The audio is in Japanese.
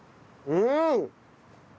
うん！